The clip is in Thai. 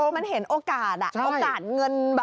มันเห็นโอกาสเงินแบบกี่ล้านอันนั้นน่ะ